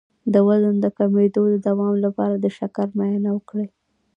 د وزن د کمیدو د دوام لپاره د شکر معاینه وکړئ